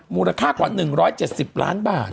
มูลค่ากว่า๑๗๐ล้านบาท